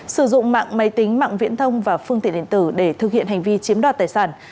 sử dụng mạng máy tính mạng viễn thông và phương tiện điện tử để thực hiện hành vi chiếm đoạt tài sản